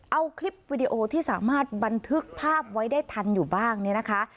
เอาคลิปวิดีโอที่สามารถบันทึกภาพไว้ได้ทันอยู่บ้างเนี่ยนะคะ